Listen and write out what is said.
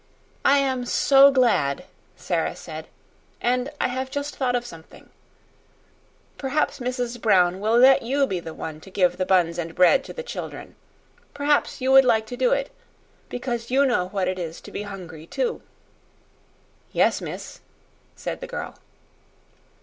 "I am so glad," Sara said. "And I have just thought of something. Perhaps Mrs. Brown will let you be the one to give the buns and bread to the children. Perhaps you would like to do it because you know what it is to be hungry, too." "Yes, miss," said the girl.